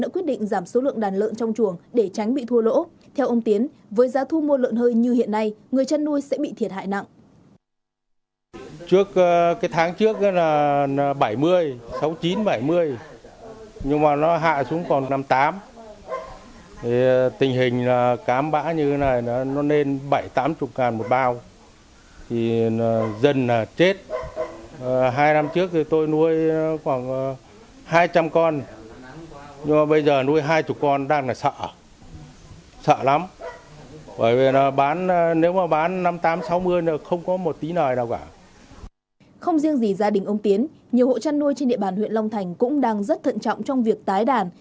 không riêng gì gia đình ông tiến nhiều hộ chăn nuôi trên địa bàn huyện long thành cũng đang rất thận trọng trong việc tái đàn